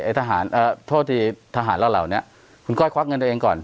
ทหารโทษที่ทหารเหล่าเหล่านี้คุณก้อยควักเงินตัวเองก่อน